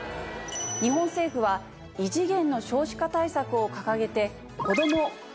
日本政府は異次元の少子化対策を掲げて。